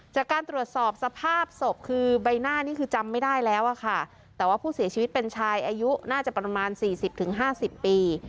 จากการตรวจสอบสภาพศพคือใบหน้านี่คือจำไม่ได้แล้วอะค่ะแต่ว่าผู้เสียชีวิตเป็นชายอายุน่าจะประมาณ๔๐๕๐ปี